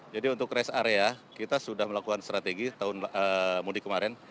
untuk rest area kita sudah melakukan strategi tahun mudik kemarin